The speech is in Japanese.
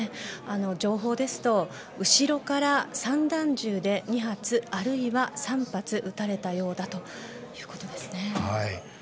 情報ですと後ろから散弾銃で２発あるいは、３発撃たれたということです。